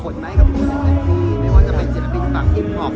อเรนนี่หรือว่าออฟฟังปลอบอะไรอย่างนี้ครับ